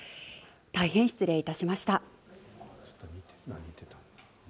大変失礼いたしました。